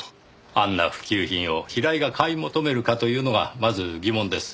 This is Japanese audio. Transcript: あんな普及品を平井が買い求めるかというのがまず疑問です。